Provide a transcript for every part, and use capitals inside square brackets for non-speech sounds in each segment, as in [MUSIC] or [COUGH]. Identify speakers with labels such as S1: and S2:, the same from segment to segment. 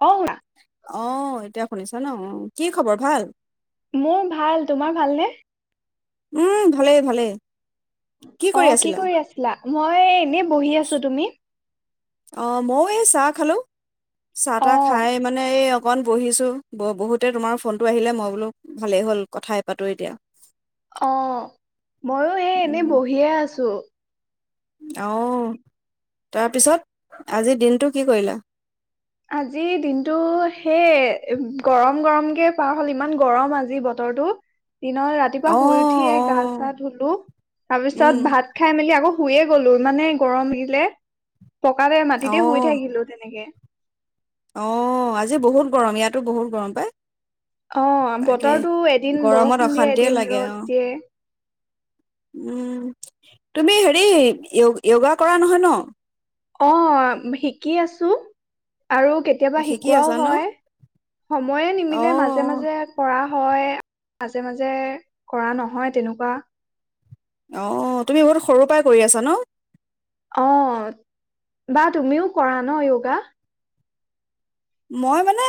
S1: অ
S2: অ', এতিয়া শুনিছা নে অ',? কি খবৰ, ভাল?
S1: মোৰ ভাল। তোমাৰ ভালনে?
S2: উম, ভালে ভালে।
S1: অ', কি কৰি আছিলা? মই এনেই বহি আছোঁ, তুমি?
S2: অ', মইও এই চাহ খালো। চাহ
S1: অ
S2: তাহ খাই মানে এই অকণ বহিছোঁ। বহুতে তোমাৰ ফোনটো আহিলে, মই বোলো ভালেই হ'ল, কথাই পাতোঁ এতিয়া।
S1: অ', ময়ো এই এনেই
S2: উম,
S1: বহিয়ে আছোঁ।
S2: অ', তাৰপিছত আজি দিনটো কি কৰিলা?
S1: আজি দিনটো সেই গৰম গৰমকৈয়ে পাৰ হ'ল। ইমান গৰম আজি বতৰটো। দিনৰ
S2: অ',
S1: ৰাতিপুৱা শুই উঠিয়েই গা
S2: অ',
S1: চা ধুলোঁ, তাৰ
S2: উম,
S1: পিছত ভাত খাই মেলি আকৌ শুয়ে গলোঁ ইমানে গৰম দিলে। পকাতে, মাটিতে শুই
S2: অ',
S1: থাকিলোঁ তেনেকে।
S2: অ', আজি বহুত গৰম ইয়াতো বহুত গৰম পায়।
S1: অ', বতৰটো এদিন
S2: গৰমত
S1: বৰষুণ দিয়ে,
S2: অশান্তিয়ে
S1: এদিন
S2: লাগে
S1: ৰ'দ
S2: অ',
S1: দিয়ে।
S2: উম, তুমি হেৰি য়োগ-য়োগা কৰা নহয় ন'?
S1: অ', শিকি আছোঁ। আৰু
S2: অ',
S1: কেতিয়াবা
S2: শিকি
S1: শিকোৱাও
S2: আছা ন?
S1: হয়। সময়ে নিমিলে মাজে
S2: অ
S1: মাজে কৰাহ। হয়। মাজে মাজে কৰা নহয় তেনেকুৱা।
S2: অ', তুমি বহুত সৰু পৰাই কৰি আছা ন'?
S1: অ', বা তুমিও কৰা ন' য়োগা?
S2: মই মানে,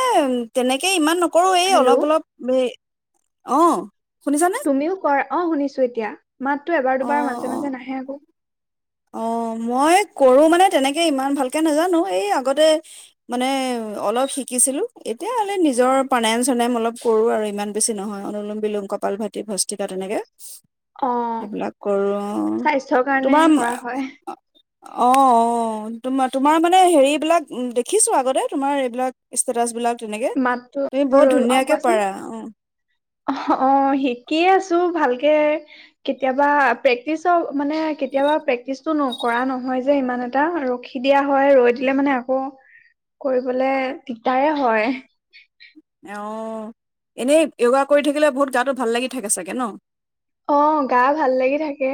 S2: তেনেকে ইমান নক কৰোঁ এই, অলপ
S1: হেল্ল'
S2: অলপ য়ে অহ।
S1: তুমিও কৰা? অ', শুনিছোঁ এতিয়া। মাতটো এবাৰ
S2: অ
S1: দুবাৰ মাজে
S2: অ
S1: মাজে নাহে আকৌ।
S2: অ', মই কৰোঁ মানে তেনেকেই। ইমান ভালকে নাজানো। এই আগতে মানে অলপ শিকিছিলোঁ। এতিয়া হ'লে নিজৰ প্ৰাণায়াম চণায়াম অলপ কৰোঁ আৰু। ইমান বেছি নহয় অনুলোম বিলোম, কপালভাতি, ভস্ত্ৰিকা তেনেকে।
S1: অ',
S2: সেইবিলাক কৰো
S1: স্বাস্থ্যৰ কাৰণে কৰা হয়।
S2: অহ, অহ। তোমা-তোমাৰ মানে হেৰিবিলাক দেখিছোঁ আগতে, তোমাৰ এইবিলাক ষ্টেটাছবিলাক।
S1: মাতটো, আৰু অল, কোৱাচোন।
S2: অ',
S1: অহ, অহ, শিকিয়ে আছ তো ভালকে কেতিয়াবা প্ৰেকটিছোঁ মানে কেতিয়াবা প্ৰেকটিছটো নকৰা নহয় যে সিমান এটা, ৰখি দিয়া হয়। ৰৈ দিলে মানে আকৌ কৰিবলে দিগদাৰে হয়।
S2: অহ, এনেই যোগা কৰি থাকিলে বহুত গাতো ভাল লাগি থাকে চাগে ন'?
S1: অহ, গা ভাল লাগি থাকে।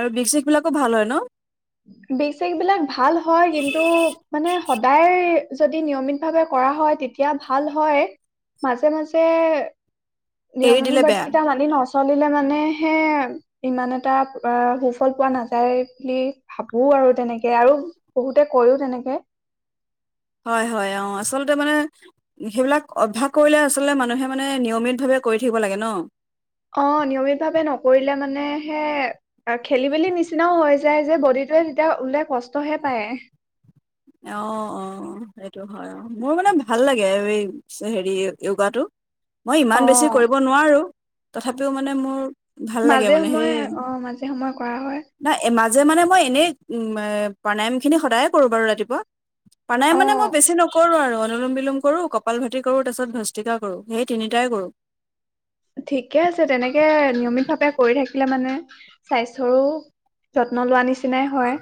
S2: আৰু বিষ চিষ বিলাকো ভাল হয় ন'?
S1: বিষ চিষবিলাক ভাল হয় কিন্তু, মানে সদায় যদি নিয়মিত ভাৱে কৰা হয় তেতিয়া ভাল হয়, মাজে মাজে নিয়ম
S2: এৰি দিলে
S1: অনুুবাদ
S2: বেয়া,
S1: কেইটা মানি নছ চলিলে মানেহে ইমান এটা অ, সুফল পোৱা নাযায় বুলি ভাবোঁ আৰু তেনেকে আৰু বহুতে কয়ও তেনেকে।
S2: হয় হয় অহ, আচলতে মানে সেইবিলাক অভ্যাস কৰিলে আচলতে মানুহে মানে নিয়মিতভাৱে কৰি থাকিব লাগে ন'।
S1: অহ, নিয়মিতভাৱে নকৰিলে মানেহে খেলিমেলি নিচিনাও হৈ যায় যে, বডিটোৱে তেতিয়া ওলোতাই কষ্টহে পায়।
S2: অহ, অহ, অহ, সেইটো হয়। অহ, মোৰ মানে ভাল লাগে এই হেৰি যোগাটো। মই ইমান বেছি
S1: অ
S2: কৰিব নোৱাৰো। তথাপিও মানে মোৰ ভাল লাগে
S1: মাজে
S2: মানে সেই,
S1: সময়ে অহ, মাজে সময়ে কৰা হয়।
S2: জে মানে মই এনেই উম, ম প্ৰাণায়ামখিনি সদায়ে কৰো বাৰু, ৰাতিপ পুৱা। প্ৰণায়ম
S1: অ
S2: মানে মই বেছি নকৰো আৰু। অনুলোম বিলোম কৰোঁ, কপালভাতি কৰোঁ, তাৰপিছত ভস্ত্ৰিকা কৰোঁ, সেই তিনিটাই কৰোঁ।
S1: ঠিকে আছে, তেনেকে নিয়মিতভাৱে কৰি থাকিলে মানে স্বাস্থ্যৰো যত নলোৱা নিচিনাই হয়।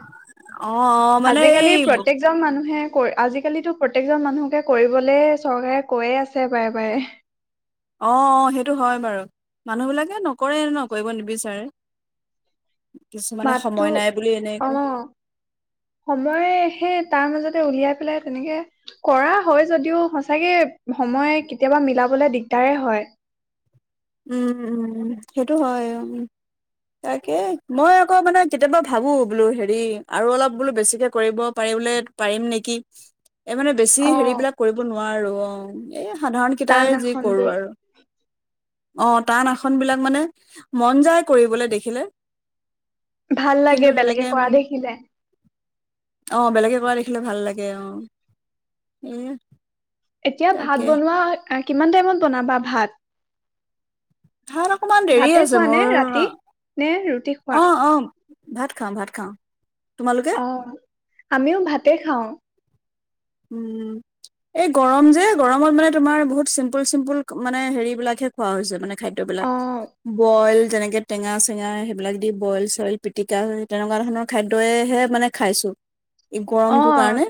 S2: অ অ মানে এই
S1: আজিকালি
S2: অ
S1: প্ৰত্যেকজন মানুহে কৰে, আজিকালিতো প্ৰত্যেকজন মানুহকে কৰিবলে চৰকাৰে কৈয়ে আছে, বাৰে বাৰে।
S2: অহ, অহ, সেই তো হয় বাৰু, মানুহবিলাক এহ নকৰে আৰু ন' কৰিব নিবিচাৰে। কিছুমানে
S1: মাততো
S2: সময় নাই বুলি এনেই
S1: অহ,
S2: কয়
S1: সময় সেই তাৰ মাজতে উলিয়াই পেলাই তেনেকে কৰা হয় যদিও, সঁচাকে সময় কেতিয়াবা মিলাবলৈ দিগদাৰেই হয়।
S2: উম, উম, উম, সেইটো হয় উম। তাকে মই আকৌ মানে কেতিয়াবা ভাবো বোলো হেৰি, আৰু অলপ বোলো বেছিকে কৰিব পাৰি বোলে পাৰিম নেকি। এই মানে বেছি
S1: অ
S2: হেৰিবিলাক কৰিব নোৱাৰো অহ। এয়া সাধাৰণ কেইটাই
S1: টান
S2: যি কৰোঁ
S1: আসনবোৰ
S2: আৰু। অহ, টান আসনবিলাক মানে মন যায় কৰিবলৈ দেখিলে।
S1: ভাল লাগে বেলেগে কৰা দেখিলে।
S2: অহ, বেলেগে কৰা দেখিলে ভাল লাগে অহ, সেয়ে।
S1: এতিয়া ভাত বনোৱা অ কিমান টাইমত বনাবা ভাত?
S2: ভাত অকনমান দেৰি
S1: ভাতে
S2: আছে
S1: খোৱা নে
S2: মোৰ
S1: ৰাতি
S2: অ,
S1: নে ৰুটি খোৱা?
S2: অ', অ'। ভাত খাওঁ ভাত খাওঁ। তোমালোকে?
S1: অ', আমিও ভাতে খাওঁ।
S2: উম, এই গৰম যে গৰমত মানে তোমাৰ বহুত চিম্পুল চিম্পুল মানে হেৰি বিলাকহে খোৱা হৈছে মানে খাদ্যবিলাক,
S1: অ',
S2: বইল যেনেকে টেঙা চেঙা সেইবিলাক দি বইল চইল, পিটিকা তেনেকুৱা ধৰণৰ খাদ্যইহে মানে খাইছোঁ। এই গৰমটোৰ
S1: অ',
S2: কাৰণে।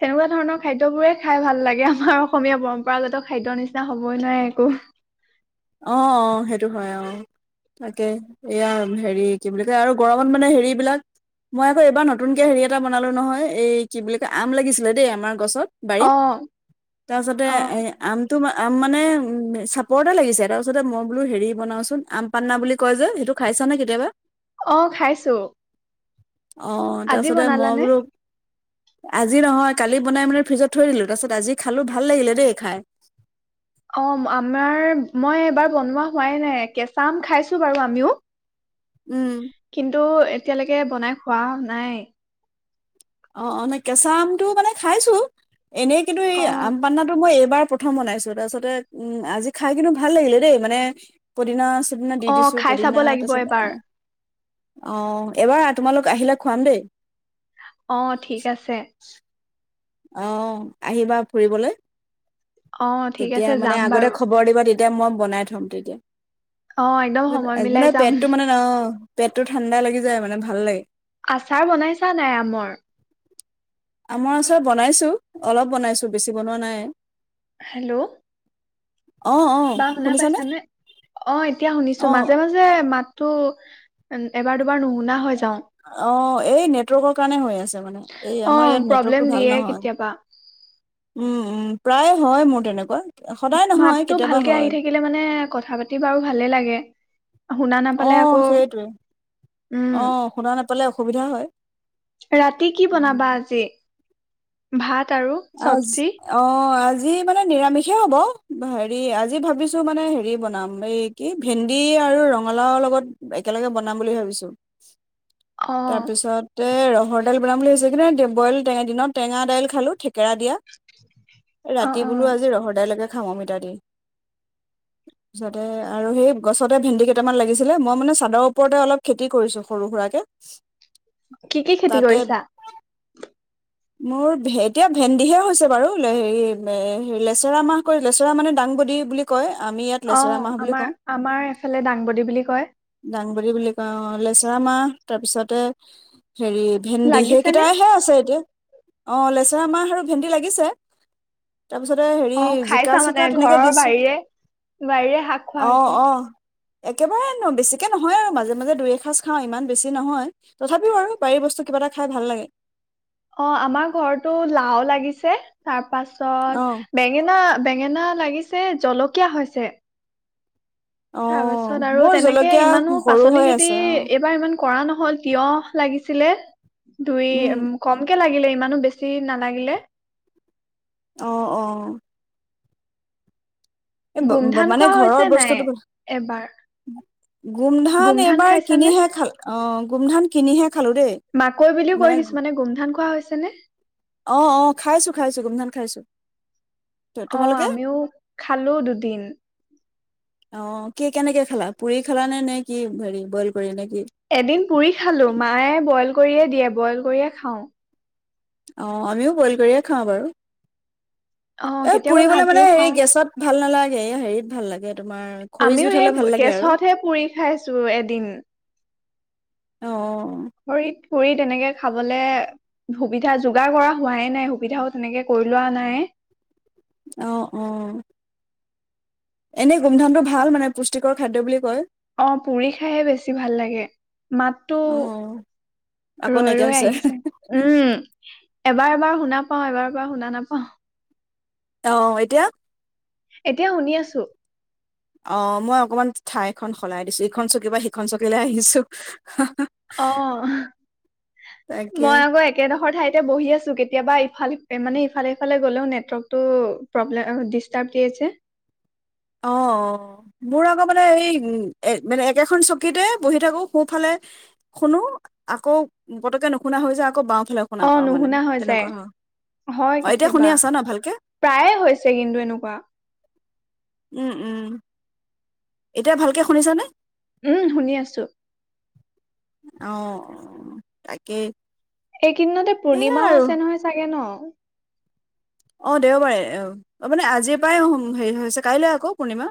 S1: তেনেকুৱা ধৰণৰ খাদ্যবোৰে খাই ভাল লাগে আমাৰ অসমীয়া পৰম্পৰাগত খাদ্য নিচিনা হ'বই নোৱাৰে একো।
S2: অহ, সেইটো হয় অ'। তাকে এইয়া হেৰি কি বুলি কয় আৰু গৰমত মানে হেৰিবিলাক মই আকৌ এবাৰ নতুনকে হেৰি এটা বনালো নহয়, এই কি বুলি কয় আম লাগিছিলে দেই আমাৰ গছত বাৰীত
S1: অ',
S2: তাৰপিছতে এ
S1: অ',
S2: আমটো মা আম মানে উম চাপৰটে লাগিছে। তাৰপাছতে মই বোলো হেৰি বনাওচোন আম পান্না বুলি কয় যে সেইটো খাইছো নে কেতিয়াবা?
S1: অ' খাইছোঁ।
S2: অ', তাৰপিছতে মই বোলো আজি নহয় কালি বনাই মানে ফ্ৰিজত থৈ দিলো তাৰ পিছত আজি খালো ভাল লাগিলে দেই খাই।
S1: অ' আমাৰ মই এবাৰ বনোৱা হোৱাই নাই, কেঁচা আম খাইছোঁ বাৰু আমিও।
S2: উম
S1: কিন্তু এতিয়ালৈ কে বনাই খোৱা নাই।
S2: অ' অ' মানে কেচা আমটো মানে খাইছোঁ এনেই কিন্তু এই
S1: অ',
S2: আম পান্নাটো মই বাৰ প্ৰথম বনাইছোঁ তাৰপিছতে উম, আজি খাই কিন্তু ভাল লাগিলে দেই মানে পদিনা সিদিনা দি
S1: অ',
S2: দিছো
S1: খাই চাব
S2: পৰহিদিনা
S1: লাগিব
S2: তাৰপিছত
S1: এবাৰ।
S2: আৰু অ এবাৰ তোমালোক আহিলে খুৱাম দেই
S1: অ ঠিক আছে
S2: আহ আহিবা ফুৰিবলৈ
S1: অ ঠিক
S2: তেতিয়া
S1: আছে
S2: মানে
S1: যাম
S2: আগতে
S1: বাৰু
S2: খবৰ দিব তেয়া তেতিয়া মই বনাই থম তেতিয়া
S1: অ একদম সময় মিলাই
S2: মানে
S1: যাম
S2: পেটটো মানে ন পেটটো ঠাণ্ডা লাগি যায় মানে ভাল লাগে
S1: আচাৰ বনাইছা নাই আমৰ
S2: আমাৰ আচাৰ বনাইছো অলপ বনাইছো বেছি বনোৱা নাই
S1: হেল্ল'
S2: অ অ শুনিছানে
S1: শুনিছোঁ
S2: অ অ
S1: মাজে মাজে মাত তো এন এবাৰ দুবা
S2: অ', এই নেটৱৰ্কৰ কাৰণে হৈ আছে মানে এই
S1: অ
S2: আমাৰ ইয়াত
S1: প্ৰব্লেম
S2: নেটৱৰ্কটো ভাল
S1: দিয়ে
S2: নহয়।
S1: কেতিয়াবা
S2: উম, উম, প্ৰায়ে হয় মোৰ তেনেকুৱা। সদায় নহয়
S1: মাততো
S2: কেতিয়াবা
S1: ভালকে আহি
S2: হয়।
S1: থাকিলে মানে কথা পাতি বাৰু ভালে লাগে। শুনা নাপালে
S2: অ',
S1: আকৌ
S2: সেইটোৱে।
S1: উম
S2: অ', শুনা নাপ পালে অসুবিধা হয়।
S1: ৰাতি কি
S2: উম,
S1: বনাবা আজি? ভাত। আৰু
S2: আজ
S1: চব্জি
S2: অ', আজ আজি মানে নিৰামিষে হ'ব। হেৰি আজি ভাবিছোঁ মানে হেৰি বনাম এই কি ভেন্দি আৰু ৰঙালাও লগত একেলগে বনাম বুলি ভাবিছোঁ।
S1: অ
S2: তাৰপিছতে ৰ ৰহৰ দাইল বনাব বুলি ভাবিছিলো, কিন্তু বইল টেঙা দিনত টেঙা দাইল খালো খে কেৰা দিয়া।
S1: অ
S2: ৰাতি
S1: অ
S2: বোলো আজি ৰহৰদাইলকে খাওঁ অমিতাদি। যতে আৰু সেই গছতে ভেন্দি কেইটামান লাগিছিলে মই মানে চাদৰ ওপৰতে অলপ খেতি কৰিছোঁ সৰু সুৰাকে।
S1: কি কি খেতি
S2: তাতে
S1: কৰিছা?
S2: মোৰ ভে এতিয়া ভেন্দিহে হৈছে বাৰু, লে হেৰি মে হেৰি লেচেৰা মাহ কৰি লেচেৰা মানে দাংবদী বুলি কয়। আমি ইয়াত লেচেৰা
S1: অহ,
S2: মাহ বুলি
S1: আমাৰ
S2: কওঁ
S1: আমাৰ এফালে দাংবদী বুলি কয়।
S2: [UNINTELLIGIBLE] বুলি কয় অ'। লেচেৰা মাহ তাৰপিছতে হেৰি ভেন্দি
S1: লাগিছেনে
S2: সেইকেইটাইহে আছে এতিয়া। অ', লেচেৰা মাহ আৰু ভেন্দি লাগিছে। তাৰপিছতে হেৰি
S1: অ',
S2: জিকা
S1: খাইছা
S2: চিকা
S1: মানে
S2: তেনেকে
S1: ঘৰৰ
S2: দিছো
S1: বাৰীৰে, বাৰীৰে শাক খোৱা
S2: অ
S1: হৈছে।
S2: অ একেবাৰে ন' বেছিকে নহয় আৰু মাজে মাজে দুই এসাঁজ খাওঁ ইমান বেছি নহয়। তথাপিও আৰু বাৰীৰ বস্তু কিবা এটা খাই ভাল লাগে।
S1: অ', আমাৰ ঘৰতো লাও লাগিছে। তাৰ
S2: অ
S1: পাছত বেঙেনা বেঙেনা লাগিছে জলকীয়া হৈছে।
S2: অ
S1: তাৰ পাছত আৰু
S2: মোৰ
S1: তেনেকে
S2: জলকীয়া
S1: ইমানো
S2: সৰু
S1: পাচলি
S2: হৈ
S1: খেতি
S2: আছে অ
S1: এইবাৰ ইমান কৰা নহল তিয়হ লাগিছিলে। দুই উম কমকে লাগিলে। ইমানো বেছি নালাগিলে।
S2: অ' অ'। এই ব ব এই
S1: গোমধান
S2: মানে
S1: খোৱা
S2: ঘৰৰ
S1: হৈছে নাই
S2: বস্তুটো
S1: এবাৰ
S2: গোমধান এইবাৰ কিনিহে খাল অ। গোমধান কিনিহে খালো দেই
S1: মাকৈ বুলিও
S2: মানে
S1: কিছোমানে গোমধান খোৱা হৈ। আছে নে?
S2: অ', -অ', খাইছো খাইছো গোমধান খাইছো।
S1: অ',
S2: তোমালোকে
S1: আমিও খালো দুদিন।
S2: অ', কি কেনেকে খেলা? পুৰি খালা নে নে কি? হেৰি বইল কৰি নে? কি
S1: এদিন পুৰি খালো মাঁ য়ে বইল কৰিয়ে দিয়ে। বইল কৰিয়ে খাওঁ।
S2: অ', আমিও বইল কৰিয়ে খাওঁ বাৰু।
S1: অ
S2: এ',
S1: কেতিয়াবা
S2: পুৰিবলে মানে
S1: ভাজিও
S2: হে
S1: খাওঁ
S2: গেছত ভাল নালাগ। এ', হেৰিত ভাল লাগে। তোমাৰ খৰি
S1: আমিও
S2: জুইত হলে
S1: সেই
S2: ভাল লাগে আৰু
S1: গছতহে পুৰি খাইছো এদিন
S2: অহ
S1: খৰিত ফুৰি তেনেকে খাবলে সুবিধা যোগাৰ কৰা হোৱাই নাই সুবিধাও তেনেকে কৰি লোৱা নাই।
S2: অহ অহ এনেই গুমধামটো ভাল মানে পুষ্টিকৰ খাদ্য বুলি কয়।
S1: অ পুৰি খাইহে বেছি ভাল লাগে মাতটো
S2: অ', আকৌ
S1: ৰৈ
S2: নাইকিয়া
S1: ৰৈ
S2: হৈছে
S1: আহিছে উম',। এবাৰ-এবাৰ শুনা পাওঁ এবাৰ-এবাৰ শুনা নাপাওঁ।
S2: অ', এতিয়া?
S1: এতিয়া শুনি আছো।
S2: অ মই অকমান ঠাইখন সলাই দিছো ইখন চকী পা সিখন চকীলৈ আহিছো।
S1: অ',
S2: তাকে
S1: মই আকৌ একেডোখৰ ঠাইতে বহি আছো কেত। কেতিয়াবা ইফাল মানে ইফালে-সফালে গলেও নেটৱৰ্কতটো প্ৰব্লে ডিষ্টাৰ্ব দিয়ে যে।
S2: অ', অ', মোৰ আকৌ মানে এই মানে একেখন চকীতে বহি থাকো সোফালে শুনো আকৌ পতকে নুশুনা হৈ যাওঁ আকৌ বাওঁ।
S1: অ', নুশুনা হৈ যায়, হয়
S2: অ', এতিয়া শুনি
S1: কেতিয়াবা,
S2: আছা ন ভালকে
S1: প্ৰায়ে হৈছে কিন্তু এনেকুৱা।
S2: উম-উম। এতিয়া ভালকে শুনিছানে?
S1: উম', শুনি আছো।
S2: অ', তাকে।
S1: এইকেইদিনতে পূৰ্ণিমাও আছে নহয় চাগে ন?
S2: অ', দেওবাৰে, মানে আজিৰ পৰাই হেৰি হৈছে, কাইলৈ আকৌ পূৰ্ণিমা।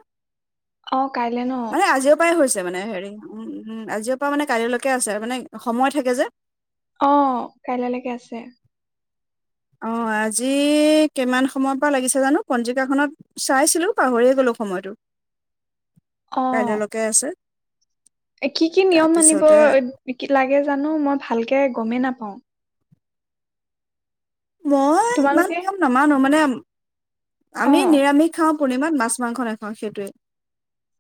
S1: অ কাইলে ন।
S2: মানে আজিৰ পৰাই হৈছে মানে হেৰি উম- উম আজিৰ পৰা মানে কাইলৈ লৈকে আছে মানে সময় থাকে যে।
S1: অ, কাইলেলেকে আছে।
S2: অ আজি কিমান সময়ৰ পৰা লাগিছে জানো? পঞ্জিকাখনত চাইছিলো পাহৰিয়ে গ'লো সময়টো।
S1: অ
S2: কাইলৈলৈকে আছে।
S1: কি কি নিয়ম মানিব
S2: তাৰপিছতে
S1: লাগে জানো মই ভালকে গমেই নাপ অ।
S2: মই ইমান
S1: তোমালোকে
S2: নিয়ম নামানো। মানে
S1: অ
S2: আমি নিৰামিষ খাওঁ। পূৰ্ণিমাত মাছ-মাংস নেখাওঁ সেইটোৱে।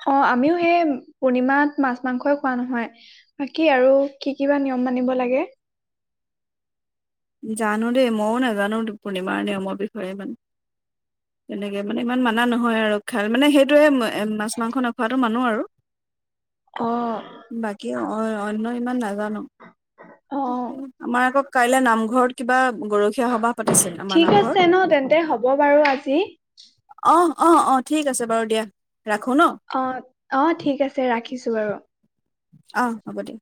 S1: অ', আমিও সেই পূৰ্ণিমাত মাছ -মাংস য়ে খোৱা নহয়। বাকী আৰু কি, কি বা নিয়ম মানিব লাগে?
S2: জানো দেই ময়ো নাজানো পূৰ্ণিমাৰ নিয়মৰ বিষয়ে ইমান, তেনেকে মানে ইমান মানা নহয় আৰু খায় মানে সেইটোৱে মাছ মাংস নখোৱাটো মানো আৰু।
S1: অ',
S2: বাকী অ' অ', অন্য ইমান নাজানো।
S1: অ',
S2: আমাৰ আকৌ কাইলৈ নাম ঘৰত কিবা গৰখীয়া সবাহ আমাৰ
S1: ঠিক
S2: নামঘৰত।
S1: আছে ন তেন্তে হ'ব বাৰু আজি।
S2: অ', অ', ঠিক আছে বাৰু দিয়া ৰাখো ন?
S1: অ', অ', ঠিক আছে ৰাখিছো বাৰু।
S2: অ', হ'ব দিয়া।